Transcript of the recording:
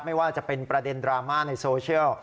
ไม่ว่าจะเป็นประเด็นดราม่าในโซเชียล